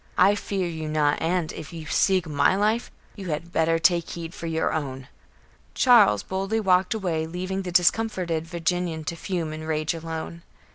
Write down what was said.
I fear you not, and, if you seek my life, you had better take heed for your own." Charles boldly walked away, leaving the discomfited Virginian to fume and rage alone.